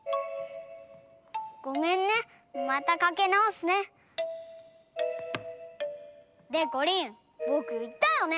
ごめんねまたかけなおすね。でこりんぼくいったよね？